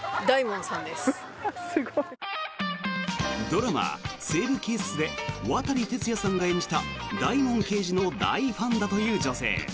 ドラマ、「西部警察」で渡哲也さんが演じた大門刑事の大ファンだという女性。